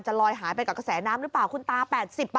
ลอยหายไปกับกระแสน้ำหรือเปล่าคุณตา๘๐